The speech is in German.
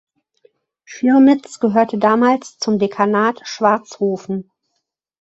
Schirmitz gehörte damals zum Dekanat Schwarzhofen.